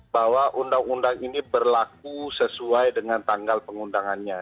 bahwa undang undang ini berlaku sesuai dengan tanggal pengundangannya